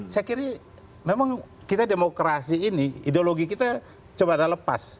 saya kira memang kita demokrasi ini ideologi kita coba lepas